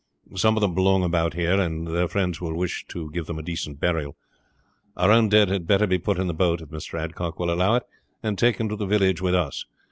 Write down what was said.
Some of them belong about here, and their friends will wish to give them a decent burial. Our own dead had better be put in the boat, if Mr. Adcock will allow it, and taken to the village with us.